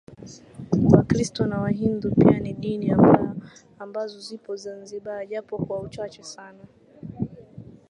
Wakristo na wahindu pia ni dini ambazo zipo Zanzibar japo kwa uchache Sana